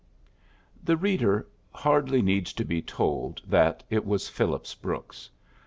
The reader hardly needs to be told that it was Phillips Brooks.